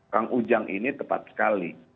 kang ujang ini tepat sekali